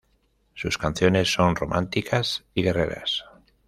Sus canciones son románticas y guerreras.